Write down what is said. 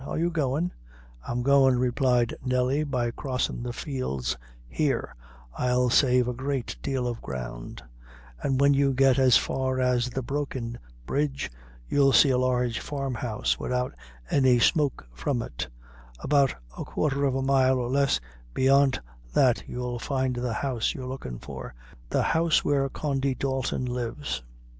Are you goin'?" "I'm goin'," replied Nelly; "by crossin' the fields here, I'll save a great deal of ground; and when you get as far as the broken bridge, you'll see a large farm house widout any smoke from it; about a quarter of a mile or less beyant that you'll find the house you're lookin' for the house where Condy Dalton lives."